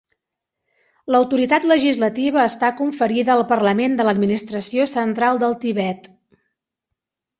L'autoritat legislativa està conferida al Parlament de l'Administració Central del Tibet.